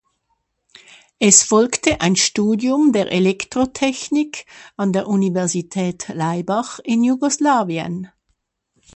Es folgte ein Studium der Elektrotechnik an der Universität Laibach in Jugoslawien.